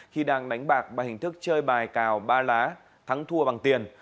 khi đang đánh bạc bằng hình thức chơi bài cào ba lá thắng thua bằng tiền